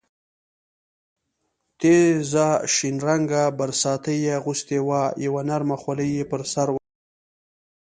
تېزه شین رنګه برساتۍ یې اغوستې وه، یوه نرمه خولۍ یې پر سر وه.